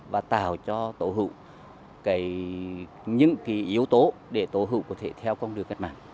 và tạo cho tổ hữu những yếu tố để tổ hữu có thể theo con đường cách mạng